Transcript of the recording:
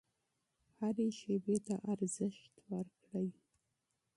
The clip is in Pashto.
هرې شیبې ته ارزښت ورکړئ.